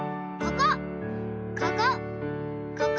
ここ！